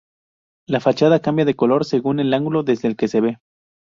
La fachada cambia de color según el ángulo desde el que se ve.